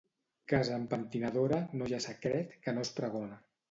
Casa amb pentinadora no hi ha secret que no es pregona.